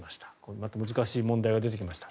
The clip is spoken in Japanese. また難しい問題が出てきました。